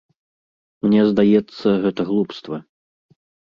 Мне здаецца, гэта глупства.